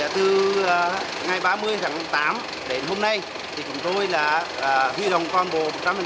ba mươi tháng tám đến hôm nay thì chúng tôi là huy đồng con bồ một trăm linh